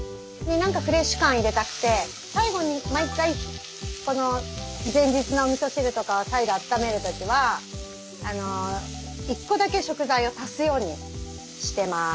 何かフレッシュ感を入れたくて最後に毎回この前日のおみそ汁とかを再度温める時は１個だけ食材を足すようにしてます。